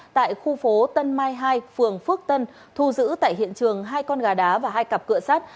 tại khu phố tân mai hai phường phước tân thu giữ tại hiện trường hai con gà đá và hai cặp cửa sát